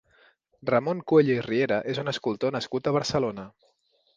Ramon Cuello i Riera és un escultor nascut a Barcelona.